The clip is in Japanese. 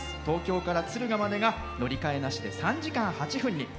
東京までが敦賀までが乗り換えなしで最短３時間８分に。